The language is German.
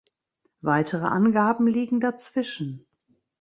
Weitere Angaben liegen dazwischen.